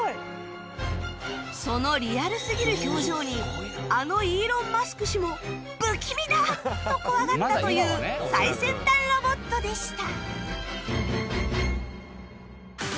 そのリアルすぎる表情にあのイーロン・マスク氏も「不気味だ！」と怖がったという最先端ロボットでした